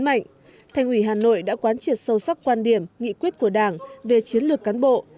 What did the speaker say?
thành ủy hà nội đã quán triệt sâu sắc quan điểm nghị quyết của đảng về chiến lược cán bộ